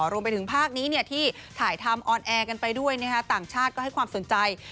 รวมไปถึงภาคนี้ที่ถ่ายทำต่างชาติก็ให้ความสนใจ